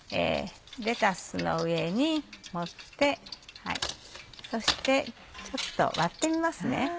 レタスの上に盛ってそしてちょっと割ってみますね。